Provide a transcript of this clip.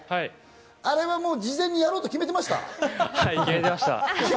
あれは事前にやろうはい、決めてました。